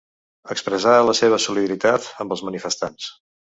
Expressar la seva solidaritat amb els manifestants.